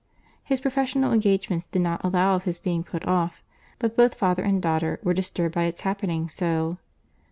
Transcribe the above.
—His professional engagements did not allow of his being put off, but both father and daughter were disturbed by its happening so.